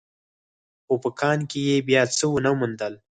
خو په کان کې يې بيا څه ونه موندل.